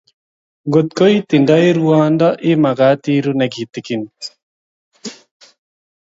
Ngot ko itindai rwando imakat iruu ne kitikin